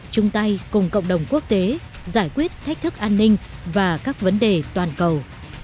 chung tay cùng cộng đồng quốc tế giải quyết thách thức an ninh và các vấn đề toàn cầu